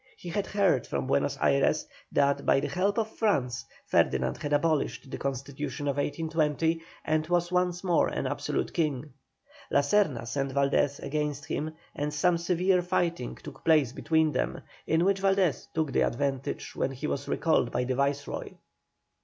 He had heard from Buenos Ayres that, by the help of France, Ferdinand had abolished the Constitution of 1820, and was once more an absolute king. La Serna sent Valdés against him, and some severe fighting took place between them, in which Valdés had the advantage, when he was recalled by the Viceroy.